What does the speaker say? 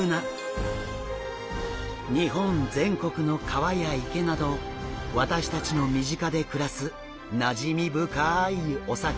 日本全国の川や池など私たちの身近で暮らすなじみ深いお魚ですが。